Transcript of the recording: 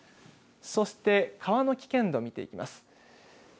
そして川の危険度見ていきます。